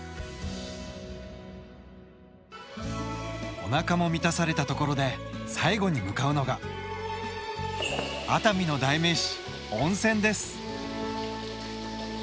おなかも満たされたところで最後に向かうのが熱海の代名詞温泉です。